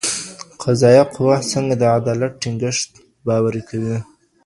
قضائيه قوه څنګه د عدالت ټينګښت باوري کوي؟